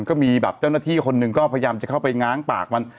ก็มีแบบเจ้าหน้าที่คนหนึ่งก็พยายามจะเข้าไปง้างปากมัน